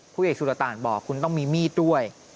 ผู้เอกสุรตานบอกคุณต้องมีมีดด้วย